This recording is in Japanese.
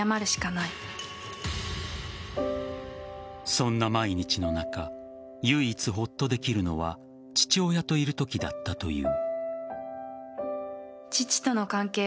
そんな毎日の中唯一ほっとできるのは父親といるときだったという。